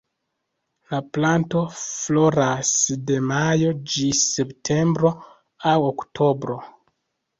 La planto floras de majo ĝis septembro aŭ oktobro.